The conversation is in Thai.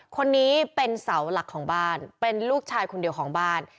คนนี้เป็นเสาหลักของบ้านเป็นลูกชายคนเดียวของบ้าน